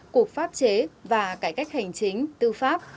cuộc pháp chế và cải cách hành trình tư pháp